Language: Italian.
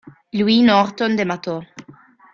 Luís Norton de Matos